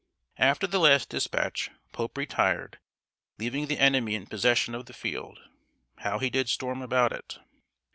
After the last dispatch, Pope retired, leaving the enemy in possession of the field. How he did storm about it!